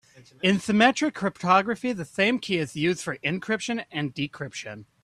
In symmetric cryptography the same key is used for encryption and decryption.